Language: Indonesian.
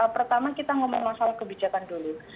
pertama kita ngomong masalah kebijakan dulu